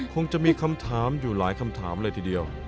คงจะมีคำถามอยู่หลายคำถามเลยทีเดียว